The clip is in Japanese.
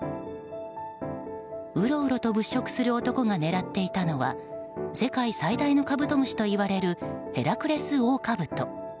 うろうろと物色する男が狙っていたのは世界最大のカブトムシといわれるヘラクレスオオカブト。